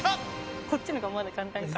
こっちの方がまだ簡単か。